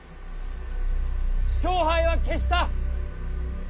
勝敗は決した！